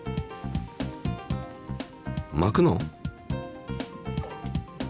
巻くの？